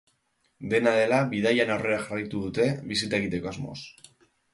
Dena dela, bidaian aurrera jarraitu dute bisita egiteko asmoz.